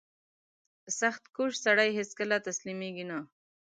• سختکوش سړی هیڅکله تسلیمېږي نه.